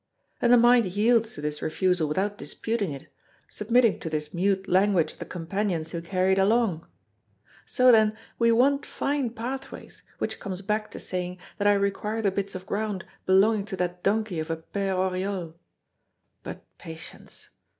And the mind yields to this refusal without disputing it, submitting to this mute language of the companions who carry it along. "So then, we want fine pathways, which comes back to saying that I require the bits of ground belonging to that donkey of a Père Oriol. But patience!